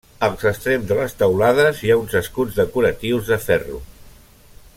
Als extrems de les teulades hi ha uns escuts decoratius de ferro.